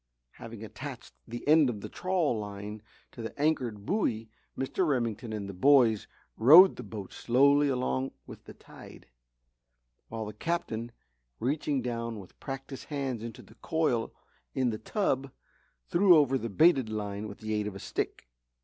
Having attached the end of the trawl line to the anchored buoy Mr. Remington and the boys rowed the boat slowly along with the tide, while the Captain, reaching down with practised hands into the coil in the tub threw over the baited line with the aid of a stick.